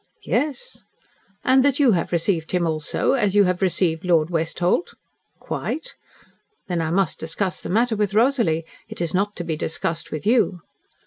"Yes." "And that you have received him, also as you have received Lord Westholt?" "Quite." "Then I must discuss the matter with Rosalie. It is not to be discussed with you."